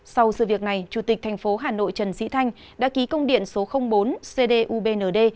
sau sự việc này chủ tịch thành phố hà nội trần sĩ thanh đã ký công điện số bốn cdubnd